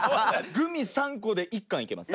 グミ３個で１缶いけます！